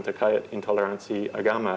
terkait intoleransi agama